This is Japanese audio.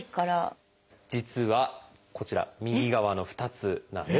実はこちら右側の２つなんです。